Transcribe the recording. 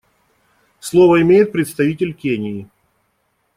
Слово имеет представитель Кении.